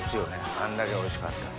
あんだけおいしかったら。